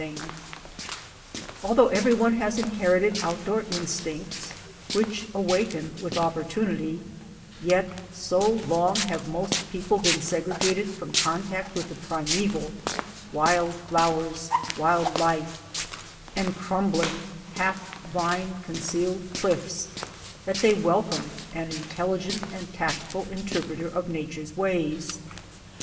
DEVELOPMENT OF A WOMAN GUIDE 271 Although everyone has inherited outdoor in stincts which awaken with opportunity, yet, so long have most people been segregated from con tact with the primeval— wild flowers, wild life, and crumbling, half vine concealed cliffs— that they wel come an intelligent and tactful interpreter of na ture's ways.